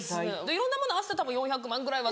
いろんなもの合わせてたぶん４００万ぐらいは。